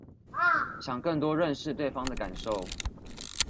想更多認識對方的感受